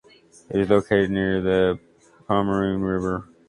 It is located near the Pomeroon River.